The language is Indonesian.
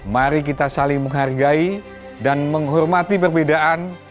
mari kita saling menghargai dan menghormati perbedaan